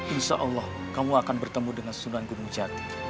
insya allah kamu akan bertemu dengan soka